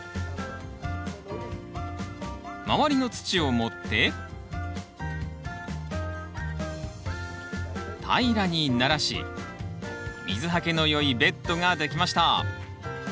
周りの土を盛って平らにならし水はけのよいベッドが出来ました。